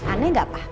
aneh gak pa